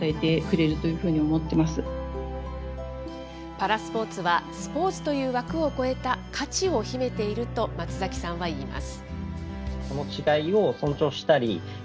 パラスポーツは、スポーツという枠を超えた価値を秘めていると松崎さんはいいます。